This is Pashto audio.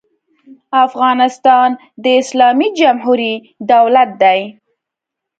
افغانستان د اسلامي جمهوري دولت دی.